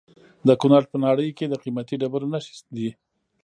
د کونړ په ناړۍ کې د قیمتي ډبرو نښې دي.